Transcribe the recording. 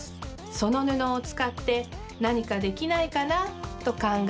その布をつかってなにかできないかなとかんがえ